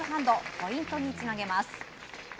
ポイントにつなげます。